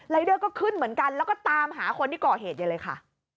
เดอร์ก็ขึ้นเหมือนกันแล้วก็ตามหาคนที่ก่อเหตุใหญ่เลยค่ะ